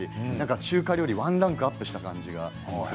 中華料理がワンランクアップした感じがします。